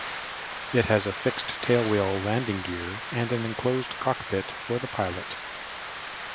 It has a fixed-tailwheel landing gear and an enclosed cockpit for the pilot.